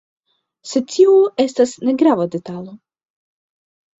Sed tio estas negrava detalo.